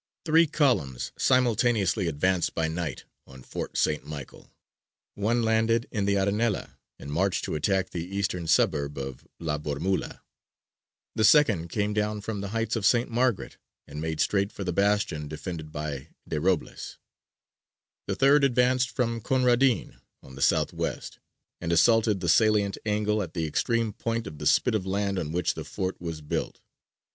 Three columns simultaneously advanced by night on Fort St. Michael: one landed in the Arenela and marched to attack the eastern suburb La Bormula; the second came down from the heights of St. Margaret and made straight for the bastion defended by De Robles; the third advanced from Conradin on the south west, and assaulted the salient angle at the extreme point of the spit of land on which the fort was built.